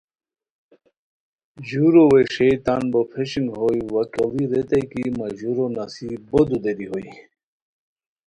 ژورو ویݰئیے نان بو پھیشنگ ہوئے، وا کیڑی ریتائے کی مہ ژورو نصیب بودودیری ہوئے